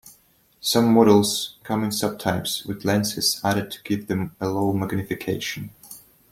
Some models come in sub-types with lenses added to give them a low magnification.